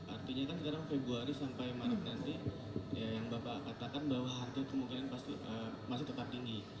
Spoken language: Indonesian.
artinya kan sekarang februari sampai maret nanti yang bapak katakan bahwa harga kemungkinan masih tetap tinggi